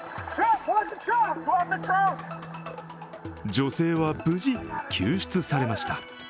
女性は無事、救出されました。